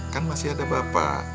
kan masih ada bapak